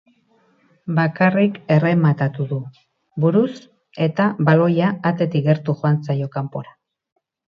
Bakarrik errematatu du, buruz, eta baloia atetik gertu joan zaio kanpora.